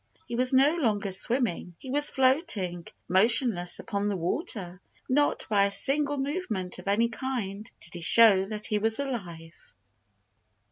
He was no longer swimming. He was floating, motionless, upon the water. Not by a single movement of any kind did he show that he was alive.